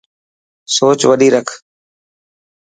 سوچ وڏي رک.